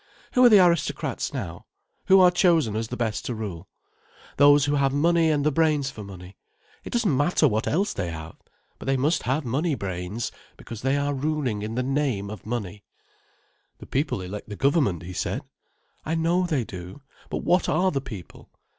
Who are the aristocrats now—who are chosen as the best to rule? Those who have money and the brains for money. It doesn't matter what else they have: but they must have money brains,—because they are ruling in the name of money." "The people elect the government," he said. "I know they do. But what are the people?